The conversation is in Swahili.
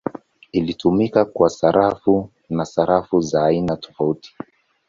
Ilitumika kwa sarafu na sarafu za aina tofauti.